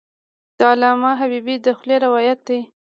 د علامه حبیبي د خولې روایت دی.